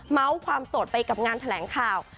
ความโสดไปกับงานแถลงข่าว